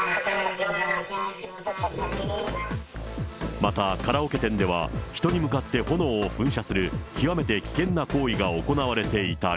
またカラオケ店では、人に向かって炎を噴射する極めて危険な行為が行われていたり。